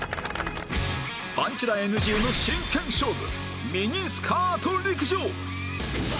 パンチラ ＮＧ の真剣勝負ミニスカート陸上！